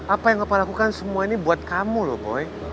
apa yang bapak lakukan semua ini buat kamu loh boy